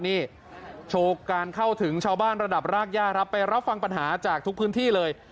นี่โชว์การเข้าถึงชาวบ้านระดับรากย่าครับไปรับฟังปัญหาจากทุกพื้นที่เลย